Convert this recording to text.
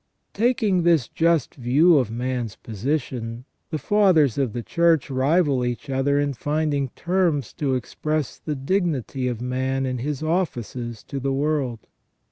Taking this just view of man's position, the Fathers of the Church rival each other in finding terms to express the dignity of man in his offices to the world.